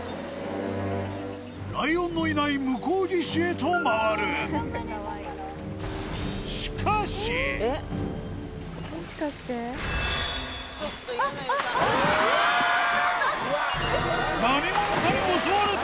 ライオンのいない向こう岸へと回る何者かに襲われた！